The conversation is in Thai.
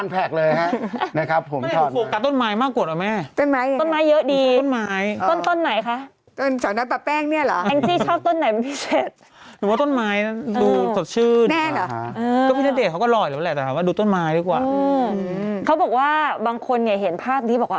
เป็นอย่างไรล่ะชาวลองถอดบ้างสิเราน่ะ